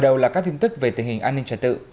hồi đầu là các tin tức về tình hình an ninh trò tự